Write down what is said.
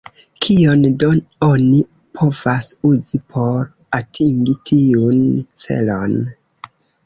Kion do oni povas uzi por atingi tiun celon?